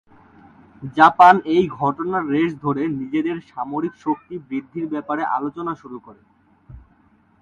Japan এই ঘটনার রেশ ধরে নিজেদের সামরিক শক্তি বৃদ্ধির ব্যাপারে আলোচনা শুরু করে।